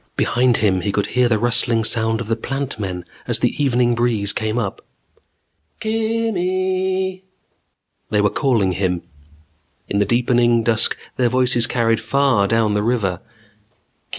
Behind him he could hear the rustling sound of the Plant Men as the evening breeze came up. "Kimm eeeee " They were calling him. In the deepening dusk their voices carried far down the river.